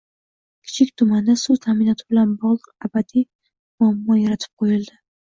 Kichik tumanda suv taʼminoti bilan bogʻliq abadiy muammo yaratib qoʻyildi.